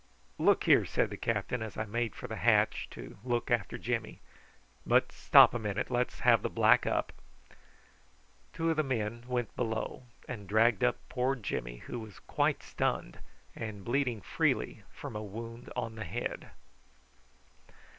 "Look here " said the captain as I made for the hatch to look after Jimmy. "But stop a minute, let's have the black up." Two of the men went below and dragged up poor Jimmy, who was quite stunned, and bleeding freely from a wound on the head.